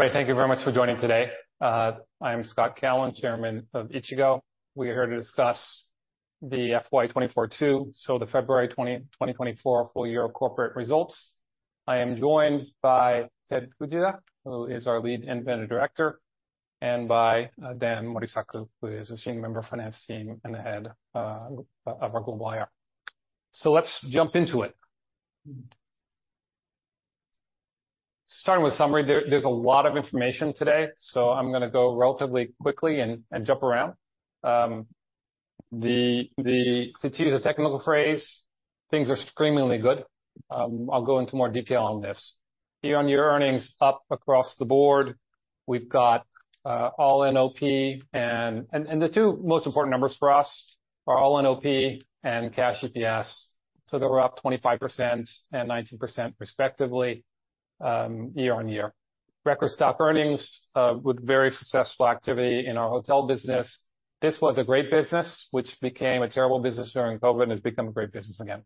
Everybody, thank you very much for joining today. I am Scott Callon, Chairman of Ichigo. We are here to discuss the FY 2024/2, so the February 2024 full year corporate results. I am joined by Tetsuya Fujii, who is our Lead Independent Director, and by Dan Morisaku, who is a Senior Member of the Finance Team and the head of our global IR. So let's jump into it. Starting with summary, there's a lot of information today, so I'm gonna go relatively quickly and jump around. To choose a technical phrase, things are screamingly good. I'll go into more detail on this. Year-on-year earnings up across the board, we've got all NOP, and the two most important numbers for us are all NOP and cash EPS. So they were up 25% and 19% respectively, year-on-year. Record stock earnings with very successful activity in our hotel business. This was a great business, which became a terrible business during COVID, and has become a great business again.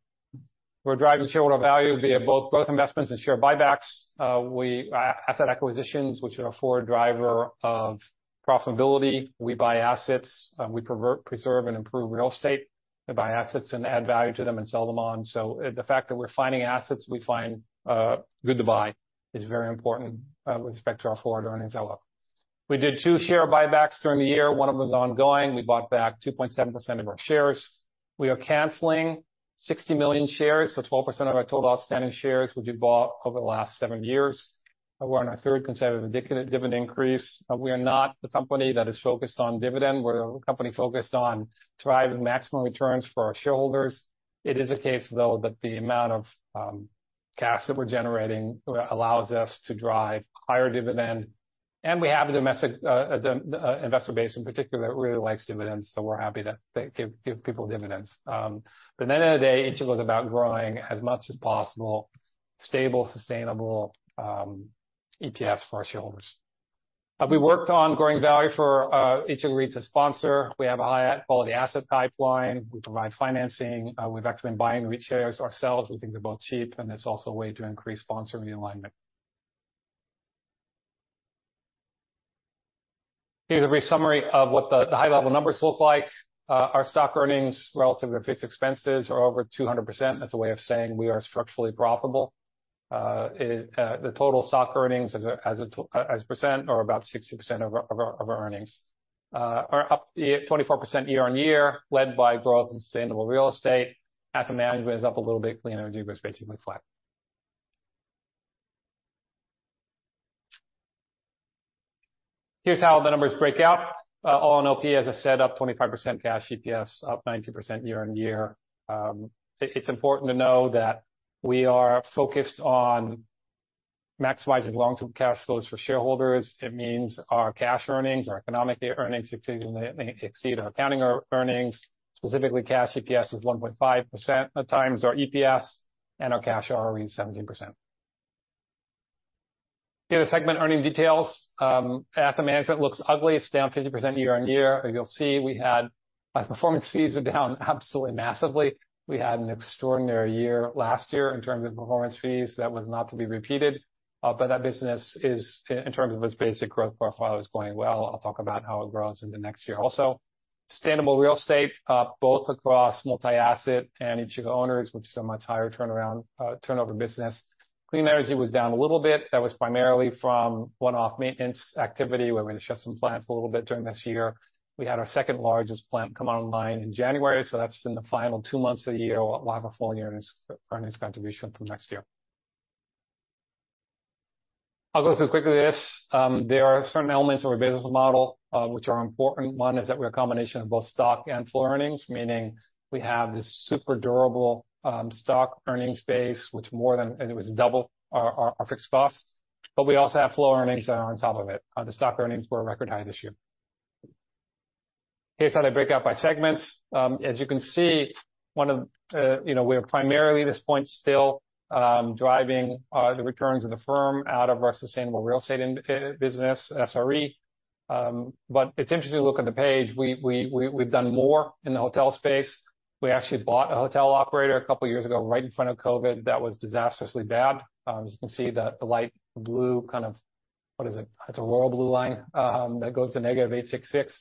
We're driving shareholder value via both growth investments and share buybacks. We asset acquisitions, which are a forward driver of profitability. We buy assets, we preserve and improve real estate. We buy assets and add value to them and sell them on. So the fact that we're finding assets we find good to buy is very important with respect to our forward earnings outlook. We did two share buybacks during the year. One of them is ongoing. We bought back 2.7% of our shares. We are canceling 60 million shares, so 12% of our total outstanding shares, which we bought over the last seven years. We're on our third consecutive decade dividend increase. We are not the company that is focused on dividend. We're the company focused on driving maximum returns for our shareholders. It is a case though, that the amount of cash that we're generating allows us to drive higher dividend, and we have a domestic investor base in particular, that really likes dividends, so we're happy to give, give people dividends. But at the end of the day, Ichigo is about growing as much as possible, stable, sustainable EPS for our shareholders. We worked on growing value for Ichigo REIT's sponsor. We have a high quality asset pipeline. We provide financing. We've actually been buying REIT shares ourselves. We think they're both cheap, and it's also a way to increase sponsor realignment. Here's a brief summary of what the high level numbers look like. Our stock earnings relative to fixed expenses are over 200%. That's a way of saying we are structurally profitable. The total stock earnings as a percent are about 60% of our earnings are up 24% year-on-year, led by growth in sustainable real estate. Asset management is up a little bit. Clean energy was basically flat. Here's how the numbers break out. All NOP, as I said, up 25%, cash EPS up 19% year-on-year. It's important to know that we are focused on maximizing long-term cash flows for shareholders. It means our cash earnings, our economic earnings, exceed, may exceed our accounting earnings. Specifically, cash EPS is 1.5 times our EPS and our cash ROE is 17%. Here, the segment earnings details. Asset management looks ugly. It's down 50% year-on-year. You'll see we had performance fees are down absolutely, massively. We had an extraordinary year last year in terms of performance fees. That was not to be repeated, but that business is, in terms of its basic growth profile, is going well. I'll talk about how it grows in the next year also. Sustainable real estate, both across multi-asset and Ichigo Owners, which is a much higher turnaround, turnover business. Clean energy was down a little bit. That was primarily from one-off maintenance activity, where we had to shut some plants a little bit during this year. We had our second largest plant come online in January, so that's in the final two months of the year. We'll have a full year earnings contribution from next year. I'll go through quickly this. There are certain elements of our business model, which are important. One, is that we're a combination of both stock and flow earnings, meaning we have this super durable stock earnings base, which more than it was double our fixed costs, but we also have flow earnings that are on top of it. The stock earnings were a record high this year. Here's how they break out by segment. As you can see, one of, you know, we are primarily at this point still driving the returns of the firm out of our sustainable real estate business, SRE. But it's interesting to look at the page. We've done more in the hotel space. We actually bought a hotel operator a couple of years ago, right in front of COVID. That was disastrously bad. As you can see, the light blue kind of, what is it? It's a royal blue line that goes to -866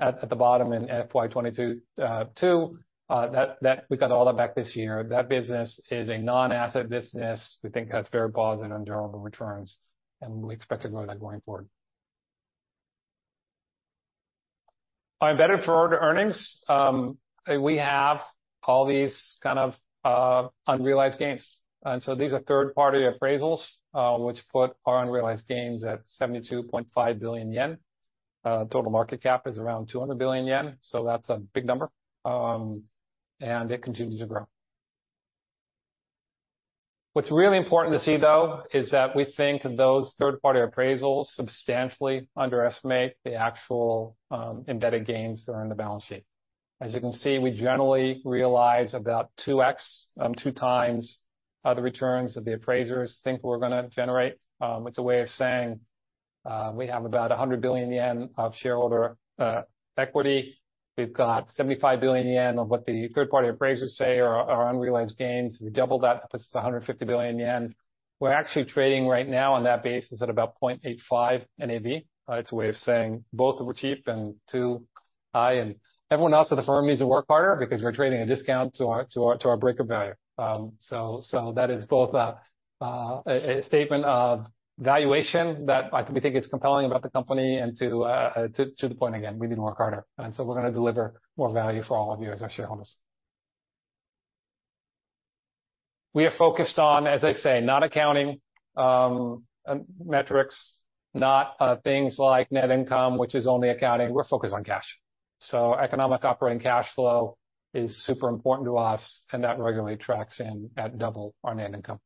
at the bottom in FY 2022. That we got all that back this year. That business is a non-asset business. We think that's very positive on durable returns, and we expect to grow that going forward. Our embedded forward earnings, we have all these kind of unrealized gains. So these are third-party appraisals, which put our unrealized gains at 72.5 billion yen. Total market cap is around 200 billion yen, so that's a big number, and it continues to grow. What's really important to see, though, is that we think those third-party appraisals substantially underestimate the actual, embedded gains that are in the balance sheet. As you can see, we generally realize about 2x, two times, the returns that the appraisers think we're gonna generate. It's a way of saying, we have about 100 billion yen of shareholder equity.... We've got 75 billion yen of what the third party appraisers say are our unrealized gains. We double that, this is 150 billion yen. We're actually trading right now on that basis at about 0.85 NAV. It's a way of saying both that we're cheap, and two, I and everyone else at the firm needs to work harder because we're trading a discount to our, to our, to our book value. So, so that is both a, a statement of valuation that we think is compelling about the company, and to, to the point again, we need to work harder, and so we're gonna deliver more value for all of you as our shareholders. We are focused on, as I say, not accounting, metrics, not, things like net income, which is only accounting. We're focused on cash. So economic operating cash flow is super important to us, and that regularly tracks in at double our net income.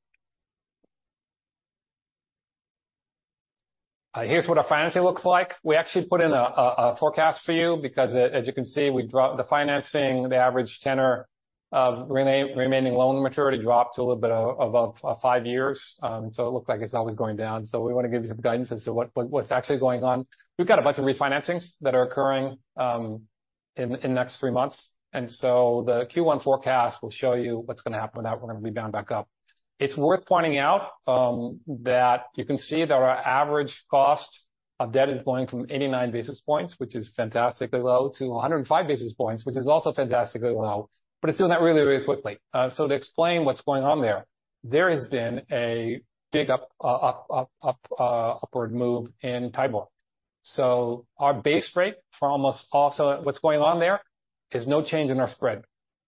Here's what our financing looks like. We actually put in a forecast for you because as you can see, the financing, the average tenor of remaining loan maturity dropped to a little bit above 5 years. So it looked like it's always going down, so we wanna give you some guidance as to what's actually going on. We've got a bunch of refinancings that are occurring in the next 3 months, and so the Q1 forecast will show you what's gonna happen with that. We're gonna rebound back up. It's worth pointing out that you can see that our average cost of debt is going from 89 basis points, which is fantastically low, to 105 basis points, which is also fantastically low, but it's doing that really, really quickly. To explain what's going on there, there has been a big upward move in TIBOR. So our base rate -- what's going on there is no change in our spread.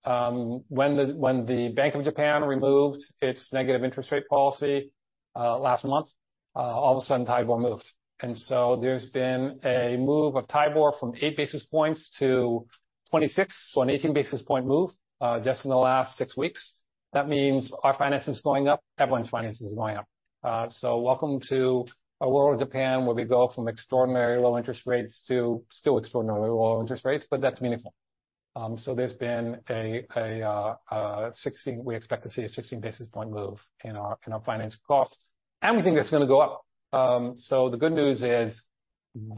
When the Bank of Japan removed its negative interest rate policy last month, all of a sudden, TIBOR moved, and so there's been a move of TIBOR from 8 basis points to 26, so an 18 basis point move just in the last 6 weeks. That means our financing is going up. Everyone's financing is going up. So welcome to a world of Japan, where we go from extraordinary low interest rates to still extraordinarily low interest rates, but that's meaningful. 16 basis point move in our financing costs, and we expect to see a 16 basis point move in our financing costs, and we think that's gonna go up. So the good news is,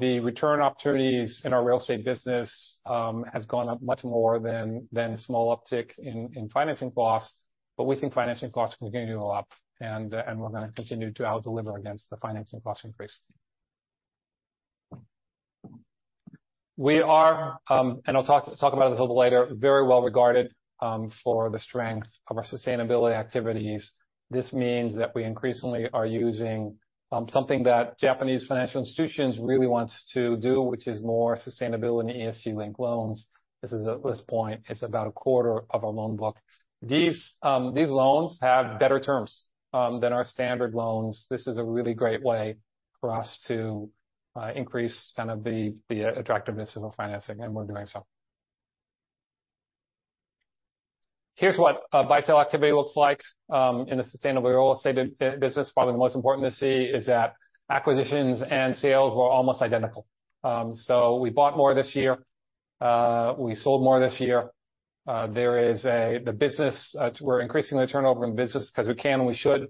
the return opportunities in our real estate business has gone up much more than a small uptick in financing costs, but we think financing costs are gonna go up, and we're gonna continue to out-deliver against the financing cost increase. We are, and I'll talk about this a little later, very well regarded for the strength of our sustainability activities. This means that we increasingly are using something that Japanese financial institutions really want to do, which is more sustainability ESG-linked loans. This is, at this point, it's about a quarter of our loan book. These loans have better terms than our standard loans. This is a really great way for us to increase kind of the attractiveness of our financing, and we're doing so. Here's what buy-sell activity looks like in the sustainable real estate business. Probably the most important to see is that acquisitions and sales were almost identical. So we bought more this year. We sold more this year. There is the business, we're increasing the turnover in business because we can, and we should.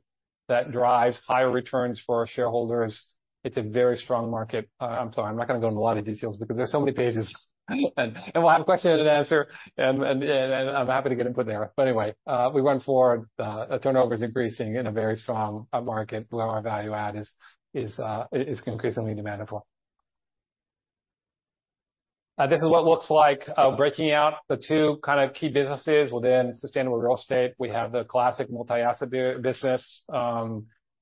That drives higher returns for our shareholders. It's a very strong market. I'm sorry, I'm not gonna go into a lot of details because there's so many pages, and we'll have a question and answer, and I'm happy to get input there. But anyway, we went forward. The turnover is increasing in a very strong market where our value add is increasingly demandable. This is what it looks like, breaking out the two kind of key businesses within sustainable real estate. We have the classic multi-asset business,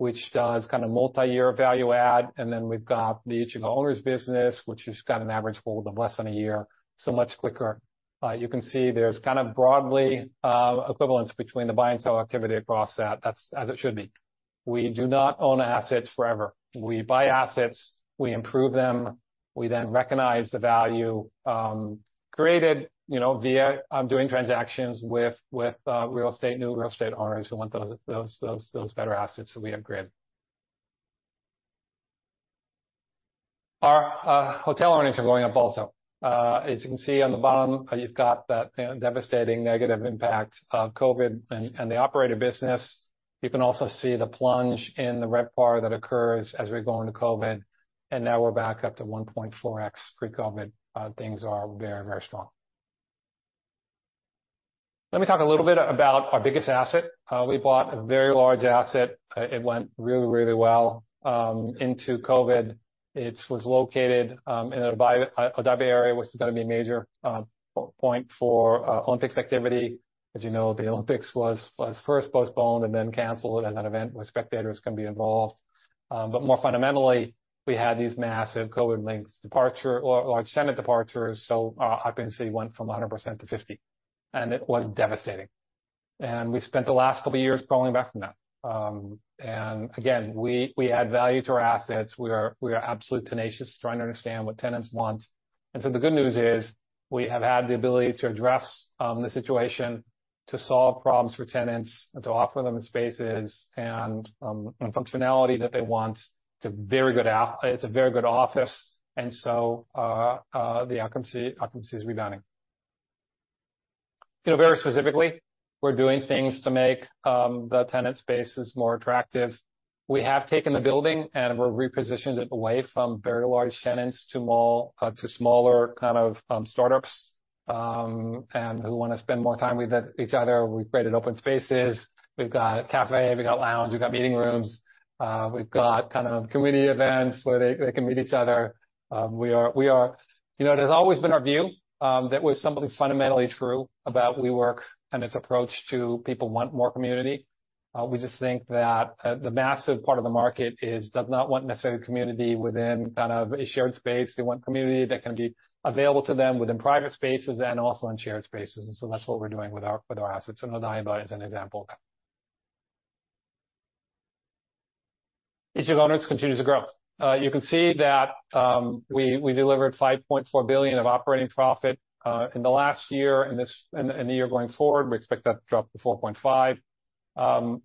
which does kind of multi-year value add, and then we've got the Ichigo Owners business, which has got an average hold of less than a year, so much quicker. You can see there's kind of broadly equivalence between the buy and sell activity across that. That's as it should be. We do not own assets forever. We buy assets, we improve them, we then recognize the value created, you know, via doing transactions with real estate, new real estate owners who want those better assets, so we upgrade. Our hotel earnings are going up also. As you can see on the bottom, you've got that, you know, devastating negative impact of COVID and the operator business. You can also see the plunge in the red bar that occurs as we go into COVID, and now we're back up to 1.4x pre-COVID. Things are very, very strong. Let me talk a little bit about our biggest asset. We bought a very large asset. It went really, really well into COVID. It was located in the Bay, Tokyo Bay area, which is gonna be a major point for Olympics activity. As you know, the Olympics was first postponed and then canceled as an event where spectators can be involved. But more fundamentally, we had these massive COVID-linked departure or large tenant departures, so occupancy went from 100%-50%, and it was devastating. We spent the last couple of years crawling back from that. And again, we add value to our assets. We are absolutely tenacious, trying to understand what tenants want. So the good news is, we have had the ability to address the situation, to solve problems for tenants, and to offer them the spaces and functionality that they want. It's a very good office, and so the occupancy is rebounding. You know, very specifically, we're doing things to make the tenant spaces more attractive. We have taken the building, and we've repositioned it away from very large tenants to smaller kind of startups, and who want to spend more time with each other. We've created open spaces. We've got a cafe, we've got lounge, we've got meeting rooms. We've got kind of community events where they can meet each other. You know, it has always been our view that was something fundamentally true about WeWork and its approach to people want more community. We just think that the massive part of the market is does not want necessarily community within kind of a shared space. They want community that can be available to them within private spaces and also in shared spaces, and so that's what we're doing with our, with our assets, and Odaiba is an example of that. Ichigo Owners continues to grow. You can see that, we delivered 5.4 billion of operating profit in the last year, and the year going forward, we expect that to drop to 4.5 billion.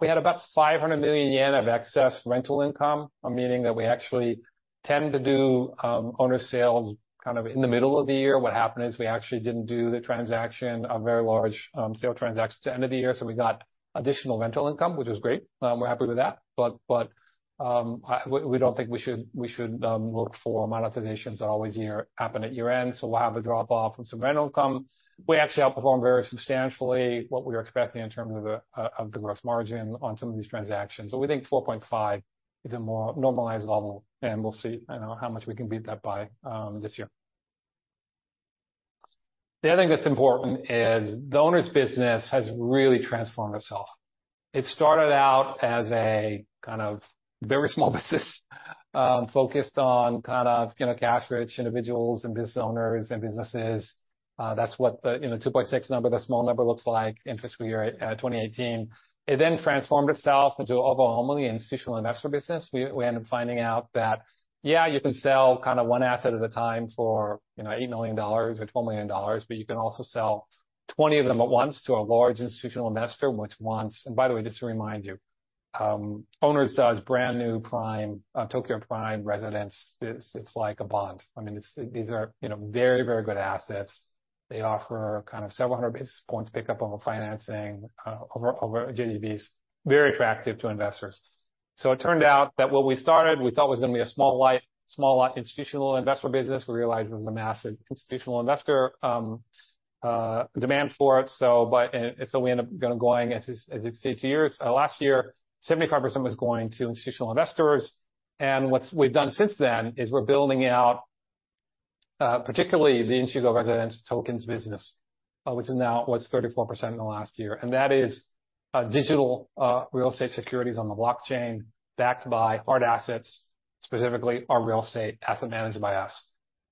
We had about 500 million yen of excess rental income, meaning that we actually tend to do owner sales kind of in the middle of the year. What happened is we actually didn't do the transaction, a very large sale transaction to the end of the year, so we got additional rental income, which was great. We're happy with that, but we don't think we should look for monetizations that always happen at year-end, so we'll have a drop-off from some rental income. We actually outperformed very substantially what we were expecting in terms of the gross margin on some of these transactions. So we think 4.5 is a more normalized level, and we'll see, you know, how much we can beat that by this year. The other thing that's important is the owner's business has really transformed itself. It started out as a kind of very small business focused on kind of, you know, cash-rich individuals and business owners and businesses. That's what the, you know, 2.6 number, the small number, looks like in fiscal year 2018. It then transformed itself into overwhelmingly institutional investor business. We ended up finding out that, yeah, you can sell kind of one asset at a time for, you know, $8 million - $12 million, but you can also sell 20 of them at once to a large institutional investor, which wants... And by the way, just to remind you, Owners does brand new Prime, Tokyo Prime residence. It's like a bond. I mean, these are, you know, very, very good assets. They offer kind of several hundred basis points pickup over financing, over JGBs, very attractive to investors. So it turned out that what we started, we thought was going to be a small light, small institutional investor business. We realized it was a massive institutional investor demand for it. So but, and so we end up kind of going, as it stated here, last year, 75% was going to institutional investors, and what's we've done since then is we're building out, particularly the Ichigo Residence Tokens business, which is now, was 34% in the last year, and that is, digital real estate securities on the blockchain, backed by hard assets, specifically our real estate asset managed by us.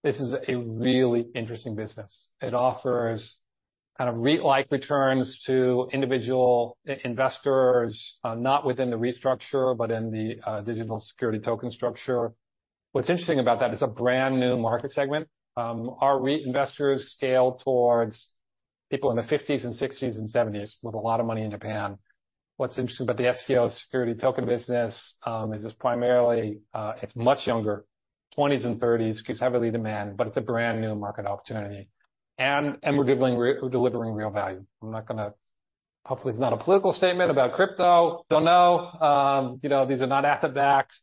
This is a really interesting business. It offers kind of REIT-like returns to individual investors, not within the REIT structure, but in the digital security token structure. What's interesting about that, it's a brand new market segment. Our REIT investors scale towards people in the fifties and sixties and seventies with a lot of money in Japan. What's interesting about the STO, security token business, is it's primarily much younger, twenties and thirties, gives heavy demand, but it's a brand new market opportunity, and we're delivering real value. I'm not gonna... Hopefully, it's not a political statement about crypto. Don't know. You know, these are not asset-backed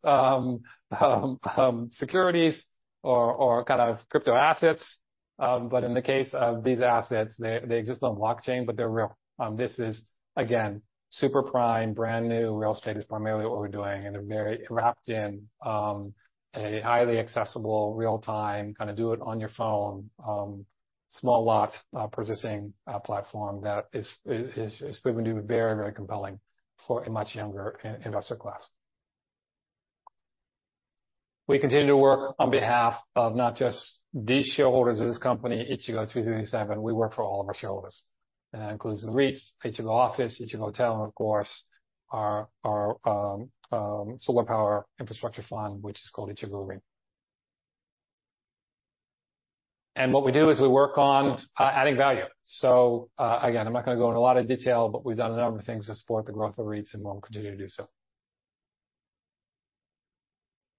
securities or kind of crypto assets, but in the case of these assets, they exist on blockchain, but they're real. This is, again, super prime, brand-new real estate is primarily what we're doing, and they're very wrapped in a highly accessible, real-time, kind of do it on your phone, small lot purchasing platform that is proving to be very, very compelling for a much younger investor class. We continue to work on behalf of not just these shareholders of this company, Ichigo 2337. We work for all of our shareholders, and that includes the REITs, Ichigo Office, Ichigo Hotel, and of course, our solar power infrastructure fund, which is called Ichigo Green. And what we do is we work on adding value. So, again, I'm not going to go into a lot of detail, but we've done a number of things to support the growth of REITs, and we'll continue to do so.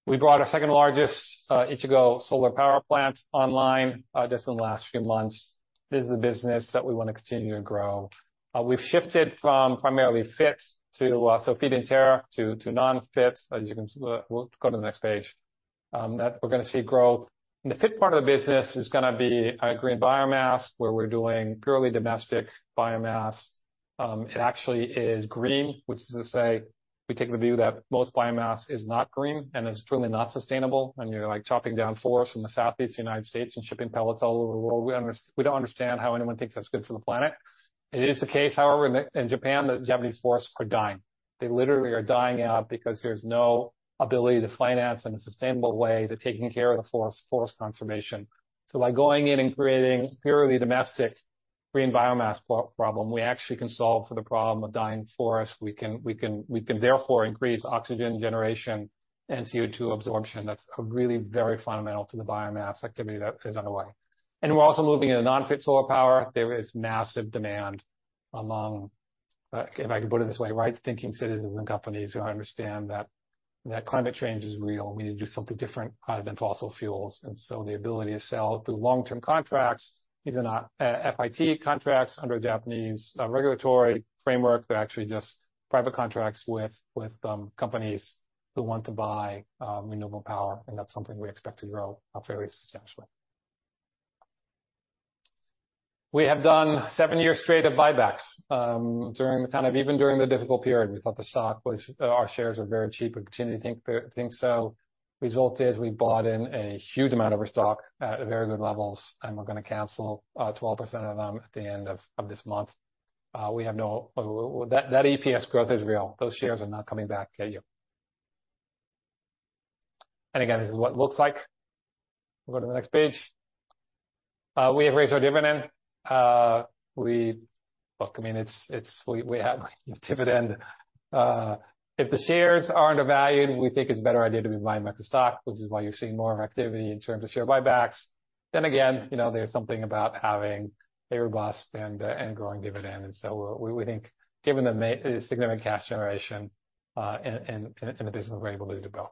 We brought our second-largest Ichigo solar power plant online just in the last few months. This is a business that we want to continue to grow. We've shifted from primarily FIT to so feed-in tariff to non-FIT. As you can see, we'll go to the next page. That we're going to see growth. In the fifth part of the business is gonna be green biomass, where we're doing purely domestic biomass. It actually is green, which is to say, we take the view that most biomass is not green and is truly not sustainable. And you're, like, chopping down forests in the Southeast United States and shipping pellets all over the world. We don't understand how anyone thinks that's good for the planet. It is the case, however, in the, in Japan, the Japanese forests are dying. They literally are dying out because there's no ability to finance in a sustainable way, to taking care of the forest, forest conservation. So by going in and creating purely domestic green biomass problem, we actually can solve for the problem of dying forests. We can therefore increase oxygen generation and CO2 absorption. That's really very fundamental to the biomass activity that is underway. And we're also moving into non-FIT solar power. There is massive demand among, if I can put it this way, right-thinking citizens and companies who understand that that climate change is real. We need to do something different than fossil fuels. And so the ability to sell through long-term contracts, these are not FIT contracts under a Japanese regulatory framework. They're actually just private contracts with companies who want to buy renewable power, and that's something we expect to grow fairly substantially. We have done seven years straight of buybacks. During the kind of even during the difficult period, we thought the stock was our shares were very cheap. We continue to think so. Result is we bought in a huge amount of our stock at very good levels, and we're gonna cancel 12% of them at the end of this month. We have now that that EPS growth is real. Those shares are not coming back at you. And again, this is what it looks like. We'll go to the next page. We have raised our dividend. Look, I mean, it's we have dividend. If the shares aren't valued, we think it's a better idea to be buying back the stock, which is why you're seeing more activity in terms of share buybacks. Then again, you know, there's something about having a robust and growing dividend. And so we think, given the significant cash generation, and this is we're able to build.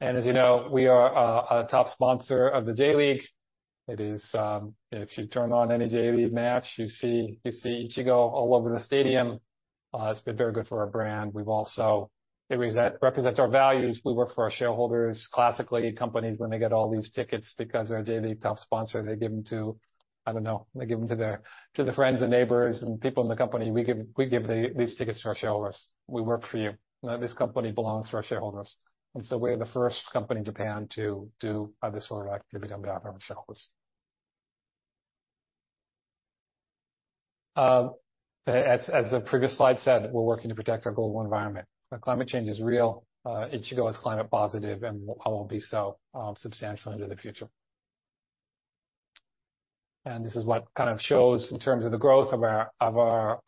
As you know, we are a top sponsor of the J.League. It is, if you turn on any J.League match, you see, you see Ichigo all over the stadium. It's been very good for our brand. We've also. It represents our values. We work for our shareholders. Classically, companies, when they get all these tickets because they're a J.League top sponsor, they give them to, I don't know, they give them to their, to the friends and neighbors and people in the company. We give these tickets to our shareholders. We work for you. Now, this company belongs to our shareholders, and so we're the first company in Japan to do this sort of activity on behalf of our shareholders. As the previous slide said, we're working to protect our global environment. Climate change is real. Ichigo is climate positive and will be so substantially into the future. And this is what kind of shows in terms of the growth of our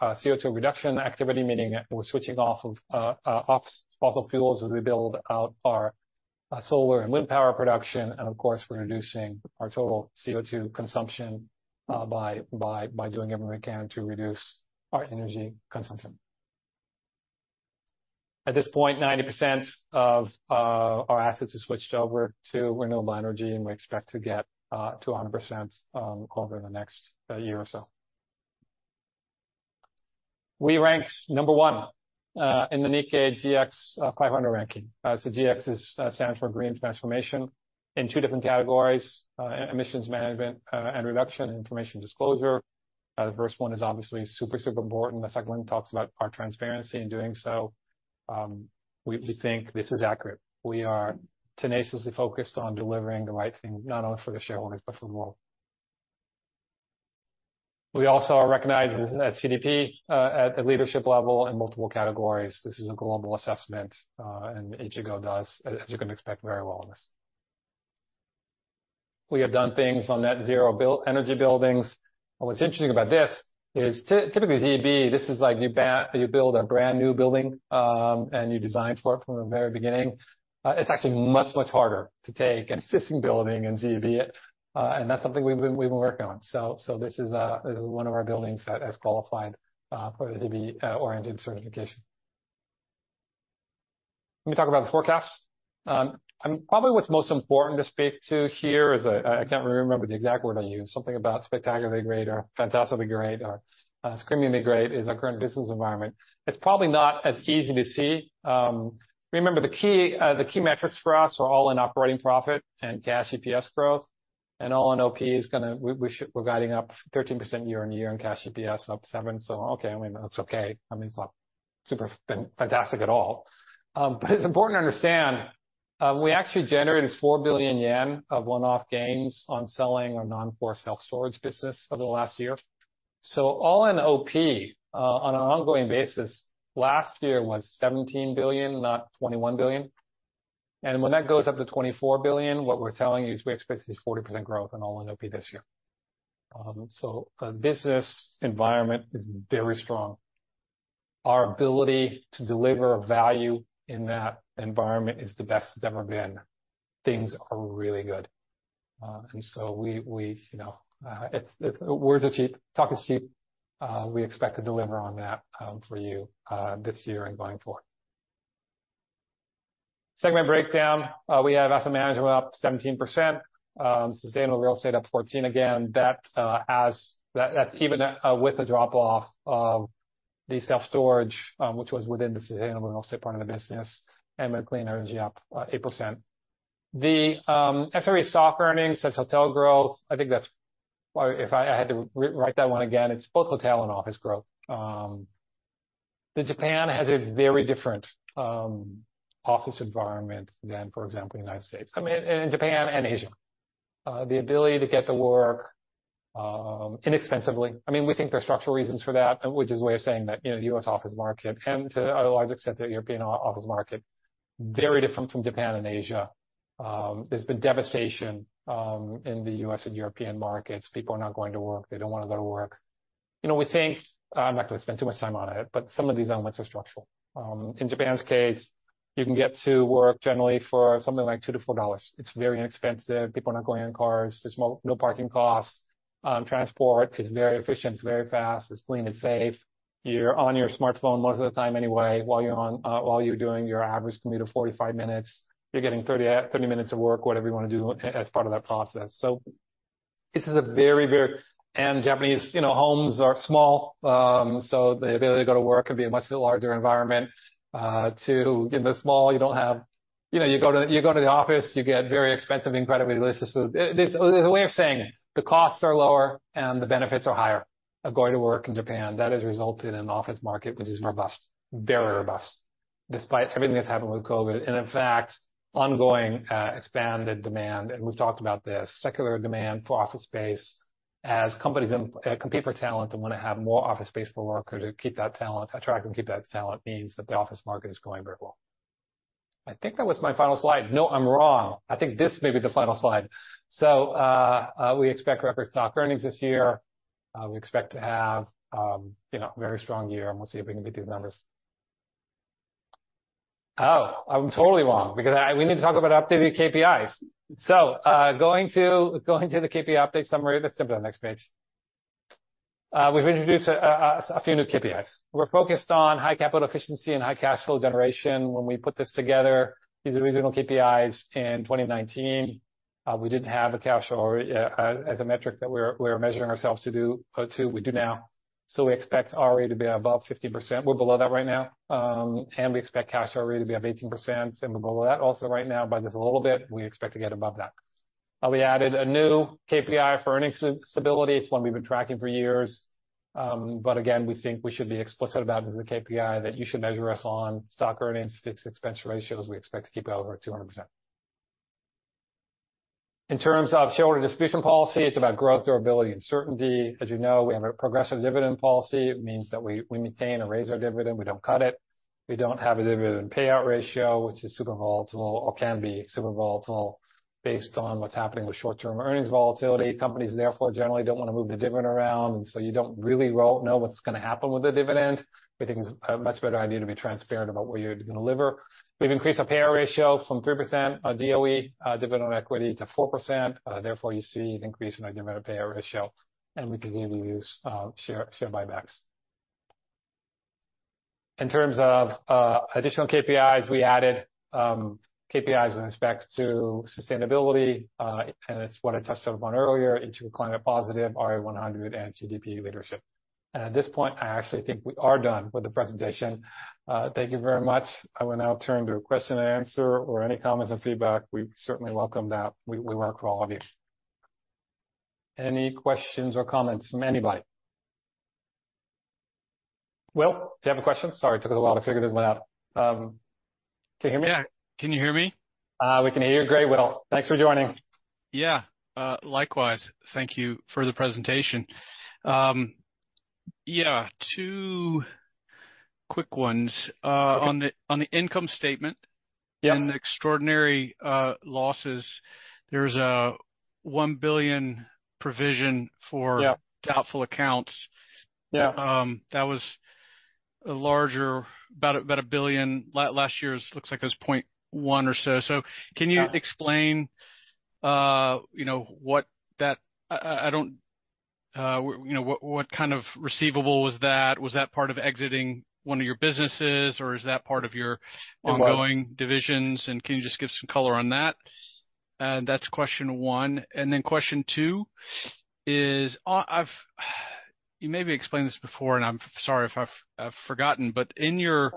CO2 reduction activity, meaning we're switching off of fossil fuels as we build out our solar and wind power production. And of course, we're reducing our total CO2 consumption by doing everything we can to reduce our energy consumption. At this point, 90% of our assets are switched over to renewable energy, and we expect to get to 100% over the next year or so. We ranked number one in the Nikkei GX 500 ranking. So GX stands for Green Transformation in two different categories, emissions management and reduction and information disclosure. The first one is obviously super, super important. The second one talks about our transparency in doing so. We think this is accurate. We are tenaciously focused on delivering the right thing, not only for the shareholders, but for the world. We also are recognized as CDP at the leadership level in multiple categories. This is a global assessment, and Ichigo does, as you can expect, very well on this. We have done things on net zero energy buildings. And what's interesting about this is typically, ZEB, this is like you build a brand-new building, and you design for it from the very beginning. It's actually much, much harder to take an existing building and ZEB it, and that's something we've been working on. This is one of our buildings that has qualified for the ZEB oriented certification. Let me talk about the forecast. And probably what's most important to speak to here is, I can't remember the exact word I used. Something about spectacularly great or fantastically great or screamingly great is our current business environment. It's probably not as easy to see. Remember, the key metrics for us are all-in operating profit and cash EPS growth, and all-in OP is gonna... We're guiding up 13% year-on-year in cash EPS, up 7. So okay, I mean, that's okay. I mean, it's not super fantastic at all. But it's important to understand, we actually generated 4 billion yen of one-off gains on selling our non-core self-storage business over the last year. So All-In OP on an ongoing basis, last year was 17 billion, not 21 billion. And when that goes up to 24 billion, what we're telling you is we expect to see 40% growth in All-In OP this year. So the business environment is very strong. Our ability to deliver value in that environment is the best it's ever been. Things are really good. And so we, you know, words are cheap, talk is cheap. We expect to deliver on that for you this year and going forward. Segment breakdown, we have asset management up 17%, sustainable real estate up 14%. Again, that that's even with the drop-off of the self-storage, which was within the sustainable real estate part of the business, and with clean energy up 8%. The SRE stock earnings says hotel growth. I think that's... Well, if I had to rewrite that one again, it's both hotel and office growth. The Japan has a very different office environment than, for example, the United States. I mean, in Japan and Asia. The ability to get to work inexpensively. I mean, we think there are structural reasons for that, which is a way of saying that, you know, the US office market and to a large extent, the European office market very different from Japan and Asia. There's been devastation in the US and European markets. People are not going to work. They don't want to go to work. You know, we think, I'm not going to spend too much time on it, but some of these elements are structural. In Japan's case-... You can get to work generally for something like $2-$4. It's very inexpensive. People are not going in cars. There's no parking costs. Transport is very efficient, it's very fast, it's clean and safe. You're on your smartphone most of the time anyway, while you're on, while you're doing your average commute of 45 minutes, you're getting 30 minutes of work, whatever you wanna do as part of that process. So this is a very, very. And Japanese, you know, homes are small, so the ability to go to work can be a much larger environment, to get in the small. You don't have... You know, you go to, you go to the office, you get very expensive, incredibly delicious food. There's a way of saying it, the costs are lower and the benefits are higher of going to work in Japan. That has resulted in an office market which is robust, very robust, despite everything that's happened with COVID. And in fact, ongoing, expanded demand, and we've talked about this, secular demand for office space as companies, compete for talent and wanna have more office space per worker to keep that talent, attract and keep that talent, means that the office market is growing very well. I think that was my final slide. No, I'm wrong. I think this may be the final slide. So, we expect record stock earnings this year. We expect to have, you know, a very strong year, and we'll see if we can beat these numbers. Oh, I'm totally wrong, because I—we need to talk about updated KPIs. So, going to the KPI update summary, let's jump to the next page. We've introduced a few new KPIs. We're focused on high capital efficiency and high cash flow generation. When we put this together, these original KPIs in 2019, we didn't have a cash flow as a metric that we're measuring ourselves to do, to. We do now. So we expect ROE to be above 50%. We're below that right now. And we expect cash ROE to be up 18%, and we're below that also right now, by just a little bit. We expect to get above that. We added a new KPI for earnings stability. It's one we've been tracking for years, but again, we think we should be explicit about the KPI that you should measure us on. Stock earnings, fixed expense ratios, we expect to keep over 200%. In terms of shareholder distribution policy, it's about growth, durability, and certainty. As you know, we have a progressive dividend policy. It means that we maintain and raise our dividend, we don't cut it. We don't have a dividend payout ratio, which is super volatile or can be super volatile based on what's happening with short-term earnings volatility. Companies, therefore, generally don't want to move the dividend around, and so you don't really know what's gonna happen with the dividend. We think it's a much better idea to be transparent about what you're gonna deliver. We've increased our payout ratio from 3%, DOE, dividend on equity, to 4%. Therefore, you see an increase in our dividend payout ratio, and we continue to use, share, share buybacks. In terms of, additional KPIs, we added, KPIs with respect to sustainability, and it's what I touched upon earlier, into a climate positive, RE100 and CDP leadership. And at this point, I actually think we are done with the presentation. Thank you very much. I will now turn to a question and answer or any comments and feedback. We certainly welcome that. We, we work for all of you. Any questions or comments from anybody? Will, do you have a question? Sorry, it took us a while to figure this one out. Can you hear me? Yeah. Can you hear me? We can hear you great, Will. Thanks for joining. Yeah, likewise. Thank you for the presentation. Yeah, two quick ones. Okay. On the income statement- Yeah. -and the extraordinary losses, there's a 1 billion provision for- Yeah. -doubtful accounts. Yeah. That was a larger... About 1 billion. Last year's looks like it was 0.1 or so. So can you- Uh... explain, you know, what that... I don't, you know, what, what kind of receivable was that? Was that part of exiting one of your businesses, or is that part of your- It was -ongoing divisions? And can you just give some color on that? And that's question one. And then question two is, I've, you maybe explained this before, and I'm sorry if I've forgotten, but in your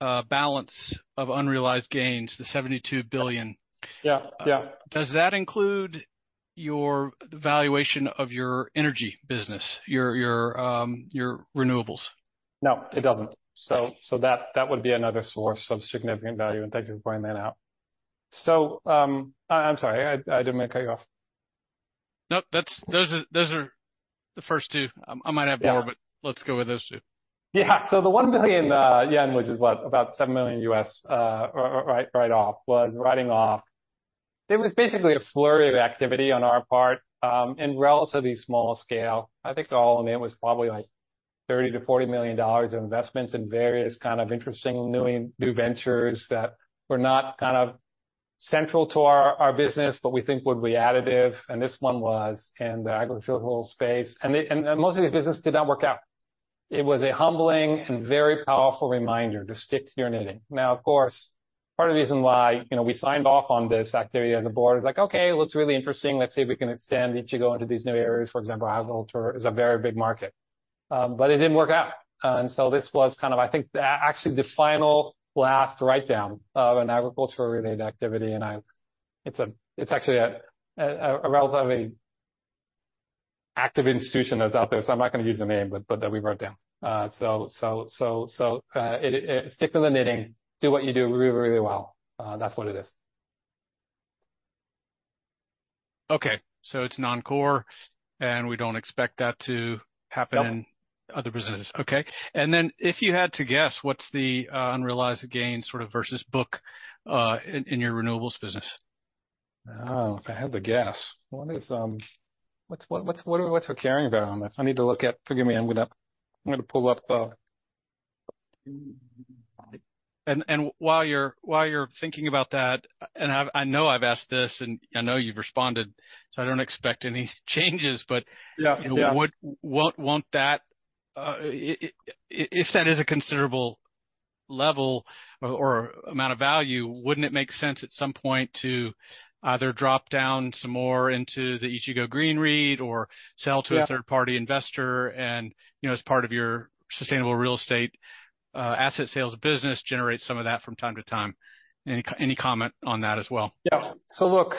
balance of unrealized gains, the 72 billion- Yeah. Yeah. Does that include your valuation of your energy business, your renewables? No, it doesn't. So, that would be another source of significant value, and thank you for pointing that out. So, I'm sorry, I didn't mean to cut you off. Nope, those are the first two. Yeah. I might have more, but let's go with those two. Yeah. So the 1 billion yen, which is what? About $7 million write off, was writing off. It was basically a flurry of activity on our part in relatively small scale. I think all in it was probably like $30 million-$40 million of investments in various kind of interesting, new, new ventures that were not kind of central to our, our business, but we think were additive, and this one was in the agricultural space. And the most of the business did not work out. It was a humbling and very powerful reminder to stick to your knitting. Now, of course, part of the reason why, you know, we signed off on this activity as a board, is like: Okay, it looks really interesting. Let's see if we can extend Ichigo into these new areas. For example, agriculture is a very big market. But it didn't work out, and so this was kind of, I think, actually the final last write-down of an agriculture-related activity, and it's actually a relatively active institution that's out there, so I'm not gonna use the name, but that we wrote down. So stick to the knitting, do what you do really, really well. That's what it is. Okay, so it's non-core, and we don't expect that to happen in- Nope... other businesses. Yeah. Okay. And then, if you had to guess, what's the unrealized gain, sort of, versus book, in your renewables business?... Oh, I have to guess. What's our carrying value on this? I need to look at. Forgive me, I'm gonna pull up. While you're thinking about that, I know I've asked this, and I know you've responded, so I don't expect any changes, but- Yeah, yeah. What won't that, if that is a considerable level or amount of value, wouldn't it make sense at some point to either drop down some more into the Ichigo Green REIT or sell to- Yeah... a third-party investor and, you know, as part of your sustainable real estate, asset sales business, generate some of that from time to time? Any comment on that as well? Yeah. So look,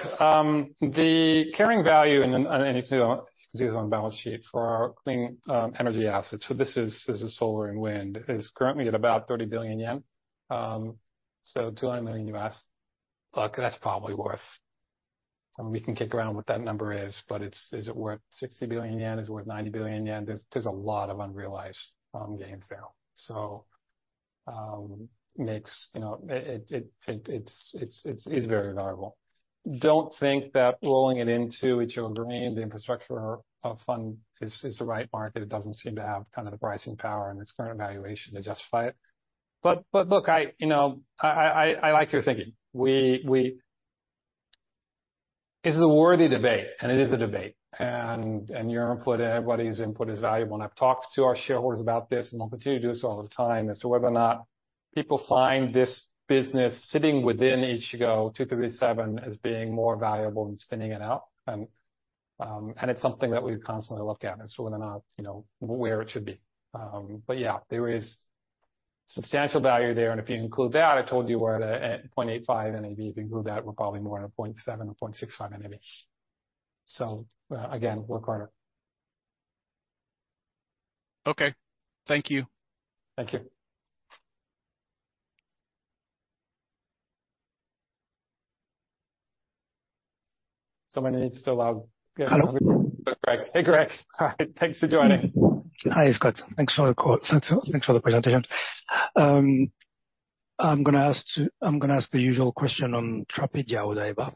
the carrying value, and you can see this on the balance sheet for our clean energy assets, so this is solar and wind, is currently at about 30 billion yen. So $200 million. Look, that's probably worth... And we can kick around what that number is, but it's, is it worth 60 billion yen? Is it worth 90 billion yen? There's, there's a lot of unrealized gains there. So, makes, you know, it, it, it, it's, it's, it is very valuable. Don't think that rolling it into Ichigo Green, the infrastructure fund, is the right market. It doesn't seem to have kind of the pricing power and its current valuation to justify it. But, but look, I, you know, I, I, I like your thinking. This is a worthy debate, and it is a debate, and your input and everybody's input is valuable. And I've talked to our shareholders about this, and I'll continue to do this all the time, as to whether or not people find this business sitting within Ichigo 2337 as being more valuable than spinning it out. And it's something that we constantly look at as to whether or not, you know, where it should be. But yeah, there is substantial value there, and if you include that, I told you we're at 0.85 NAV. If you include that, we're probably more at a 0.7 or 0.65 NAV. So, again, we're quiet. Okay. Thank you. Thank you. Somebody needs to allow- Hello. Greg. Hey, Greg. Hi, thanks for joining. Hi, Scott. Thanks for the call. Thanks for, thanks for the presentation. I'm gonna ask the usual question on Tradepia Odaiba.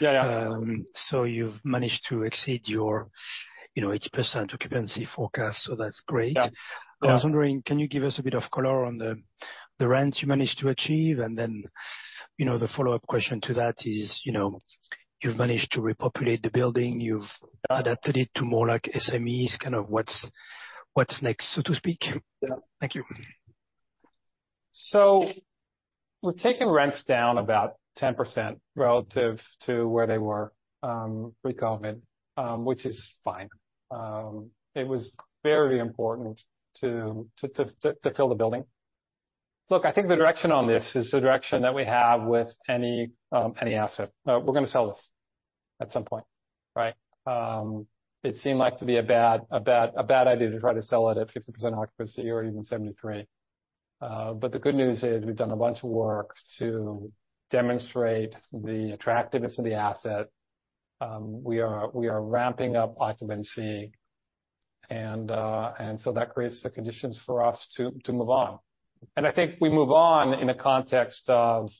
Yeah, yeah. So, you've managed to exceed your, you know, 80% occupancy forecast, so that's great. Yeah. I was wondering, can you give us a bit of color on the rents you managed to achieve? And then, you know, the follow-up question to that is, you know, you've managed to repopulate the building, you've adapted it to more like SMEs. Kind of what's next, so to speak? Yeah. Thank you. So we're taking rents down about 10% relative to where they were, pre-COVID, which is fine. It was very important to fill the building. Look, I think the direction on this is the direction that we have with any asset. We're gonna sell this at some point, right? It seemed like to be a bad idea to try to sell it at 50% occupancy or even 73. But the good news is we've done a bunch of work to demonstrate the attractiveness of the asset. We are ramping up occupancy, and so that creates the conditions for us to move on. And I think we move on in the context of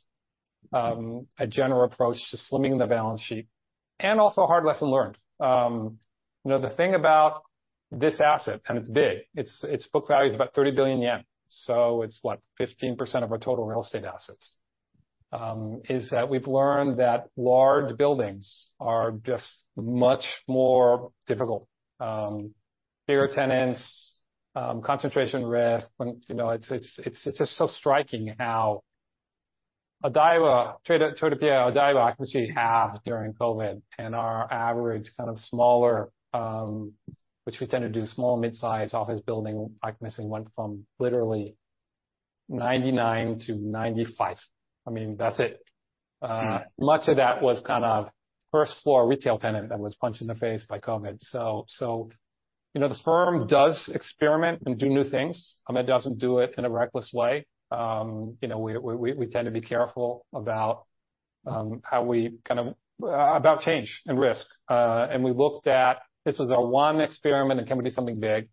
a general approach to slimming the balance sheet and also a hard lesson learned. You know, the thing about this asset, and it's big, its book value is about 30 billion yen, so it's, what, 15% of our total real estate assets, is that we've learned that large buildings are just much more difficult. Bigger tenants, concentration risk, you know, it's just so striking how Odaiba, Tradepia Odaiba occupancy halved during COVID, and our average kind of smaller, which we tend to do, small, mid-size office building occupancy went from literally 99%-95%. I mean, that's it. Much of that was kind of first-floor retail tenant that was punched in the face by COVID. So, you know, the firm does experiment and do new things, it doesn't do it in a reckless way. You know, we tend to be careful about how we kind of about change and risk. And we looked at, this was our one experiment in can we do something big?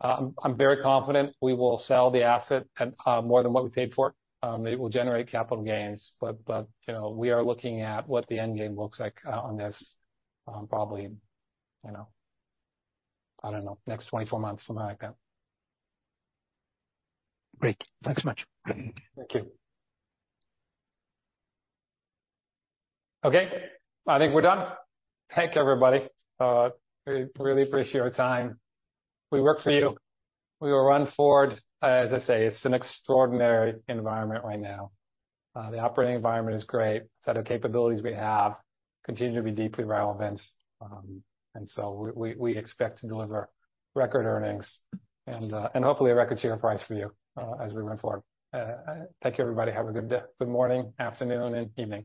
I'm very confident we will sell the asset at, more than what we paid for it. It will generate capital gains, but, you know, we are looking at what the end game looks like on this, probably, you know, I don't know, next 24 months, something like that. Great. Thanks so much. Thank you. Okay, I think we're done. Thank you, everybody. I really appreciate your time. We work for you. We will run forward. As I say, it's an extraordinary environment right now. The operating environment is great, the set of capabilities we have continue to be deeply relevant, and so we expect to deliver record earnings and hopefully a record share price for you, as we move forward. Thank you, everybody. Have a good day. Good morning, afternoon, and evening.